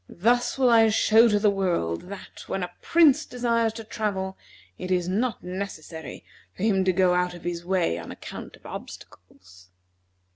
Thus will I show to the world that, when a prince desires to travel, it is not necessary for him to go out of his way on account of obstacles."